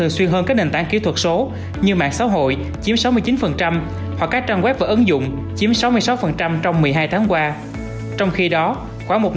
xin chào chị ạ